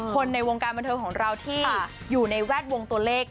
เพราะว่าเจ้าของเราที่อยู่ในแวดวงตัวเลข